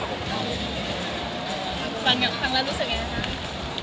ฟังแล้วรู้สึกยังไงนะครับ